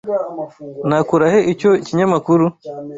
Nakura he icyo kinyamakuru?